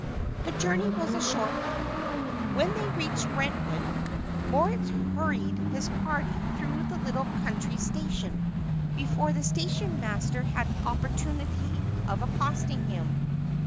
The journey was a short one. When they reached Brentwood, Moritz hurried his party through the little country station before the stationmaster had an opportunity of accosting him.